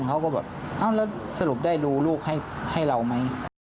เขาก็แบบเอ้าแล้วสรุปได้ดูลูกให้เราไหม